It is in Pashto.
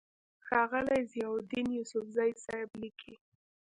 ښاغلے ضياءالدين يوسفزۍ صېب ليکي: